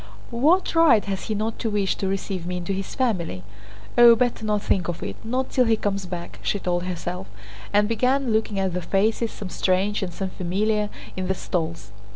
"What right has he not to wish to receive me into his family? Oh, better not think of it—not till he comes back!" she told herself, and began looking at the faces, some strange and some familiar, in the stalls.